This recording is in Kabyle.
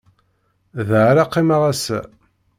Da ara qqimeɣ ass-a.